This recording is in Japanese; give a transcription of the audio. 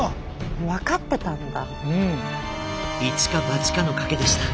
もう分かってたんだ。